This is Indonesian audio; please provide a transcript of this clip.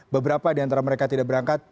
beberapa di antara mereka tidak berangkat